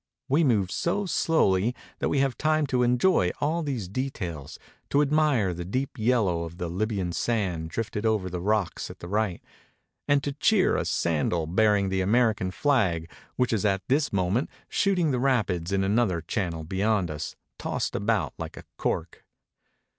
We move so slowly that we have time to enjoy all these details, to admire the deep yellow of the Libyan sand drifted over the rocks at the right, and to cheer a sandal bearing the American flag which is at this mo ment shooting the rapids in another channel beyond us, tossed about like a cork.